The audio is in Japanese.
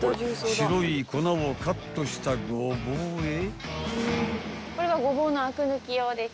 ［白い粉をカットしたゴボウへ］